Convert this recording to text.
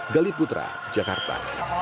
gali putra jakarta